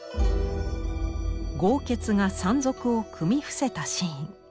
豪傑が山賊を組み伏せたシーン。